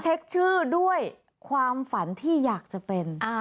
เช็คชื่อด้วยความฝันที่อยากจะเป็น